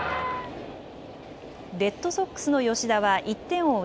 レッドソックスの吉田は１点を追う